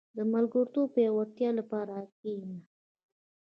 • د ملګرتوب د پياوړتیا لپاره کښېنه.